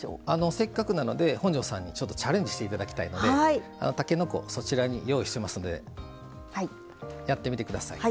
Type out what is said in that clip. せっかくなので本上さんにチャレンジしていただきたいのでたけのこ、用意していますのでやってみてください。